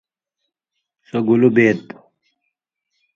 سَو گُلُو بَیت؟